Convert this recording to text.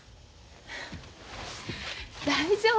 大丈夫。